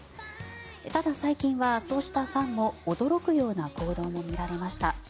ただ最近は、そうしたファンも驚くような行動が見られました。